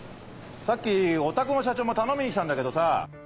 さっきおたくの社長も頼みに来たんだけどさ。